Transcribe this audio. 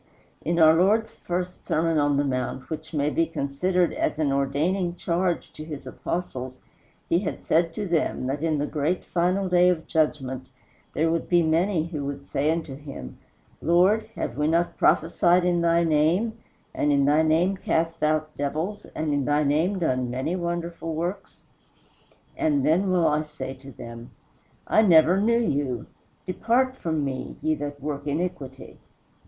In our Lord's first Sermon on the Mount, which may be considered as an ordaining charge to his Apostles, he had said to them that in the great final day of Judgment there would be many who would say unto him, "Lord, have we not prophesied in thy name, and in thy name cast out devils, and in thy name done many wonderful works? and then will I say to them, I never knew you; depart from me, ye that work iniquity."